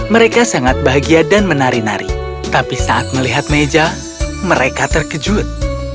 mereka sangat bahagia dan menari nari tapi saat melihat meja mereka terkejut